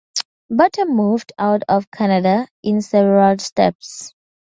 Bata moved out of Canada in several steps.